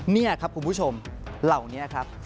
นี่ครับคุณผู้ชมเหล่านี้ครับ